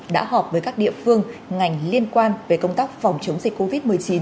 đã họp với các địa phương ngành liên quan về công tác phòng chống dịch covid một mươi chín